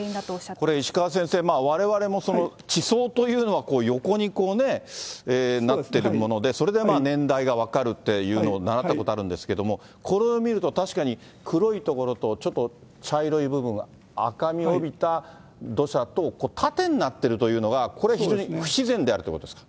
これ、石川先生、われわれも地層というのは横にこうね、なってるもので、それで年代が分かるっていうの習ったことあるんですけれども、これを見ると確かに、黒い所とちょっと茶色い部分、赤みを帯びた土砂と、縦になってるというのが、これ、非常に不自然であるということですか。